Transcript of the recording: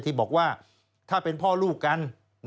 ที่บอกว่าถ้าเป็นพ่อลูกกัน